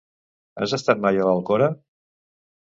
Has estat mai a l'Alcora?